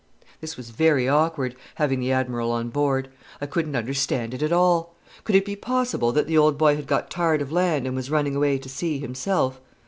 This was very awkward, having the Admiral on board. I couldn't understand it at all. Could it be possible that the old boy had got tired of land and was running away to sea himself?